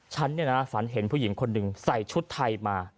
ฉันเนี่ยนะฝันเห็นผู้หญิงคนหนึ่งใส่ชุดไทยมา